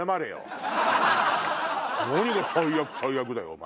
何が「最悪最悪」だよお前